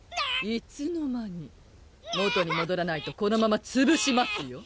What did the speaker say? いつの間に元にもどらないとこのままつぶしますよ